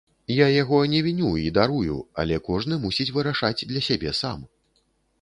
Я яго не віню і дарую, але кожны мусіць вырашаць для сябе сам.